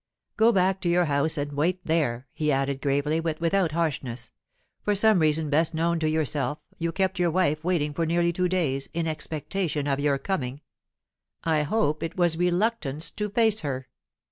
"Go back to your house, and wait there," he added gravely, but without harshness. "For some reason best known to yourself, you kept your wife waiting for nearly two days, in expectation of your coming. I hope it was reluctance to face her.